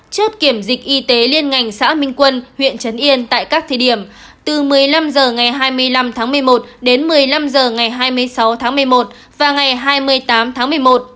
chốt kiểm dịch y tế liên ngành xã minh quân huyện trấn yên tại các thí điểm từ một mươi năm h ngày hai mươi năm tháng một mươi một đến một mươi năm h ngày hai mươi sáu tháng một mươi một và ngày hai mươi tám tháng một mươi một